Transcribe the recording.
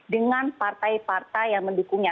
dengan partai partai yang mendukungnya